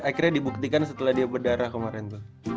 akhirnya dibuktikan setelah dia berdarah kemarin tuh